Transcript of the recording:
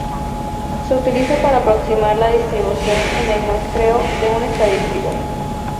Se utiliza para aproximar la distribución en el muestreo de un estadístico.